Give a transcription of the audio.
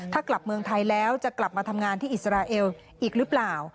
ถ้ากลับเมืองไทยแล้วจะกลับมาทำงานที่อิสราเอลอีกหรือเปล่า